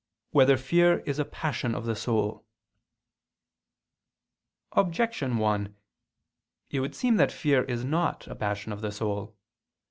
1] Whether Fear Is a Passion of the Soul? Objection 1: It would seem that fear is not a passion of the soul.